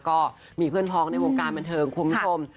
ก็มีเพื่อนพ้องในวงการบันเทิงคุณผู้ชม